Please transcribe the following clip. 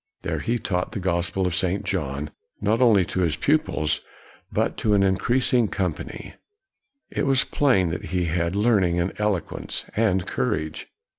There he taught the gospel of St. John, not only to his pupils, but to an increasing company. It was plain that he had learning, and eloquence, and courage.